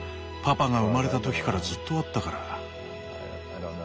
パパが生まれた時からずっとあったから。